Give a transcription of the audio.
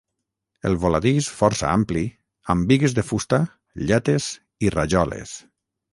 El voladís, força ampli, amb bigues de fusta, llates i rajoles.